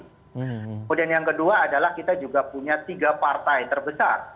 kemudian yang kedua adalah kita juga punya tiga partai terbesar